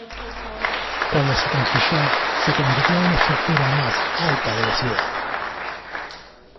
Cuando se construyó, se convirtió en la estructura más alta de la ciudad.